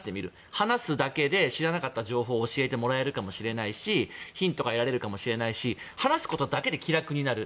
話すだけで知らなかった情報を教えてもらったりヒントをもらえるかもしれないし話すことだけで気楽になる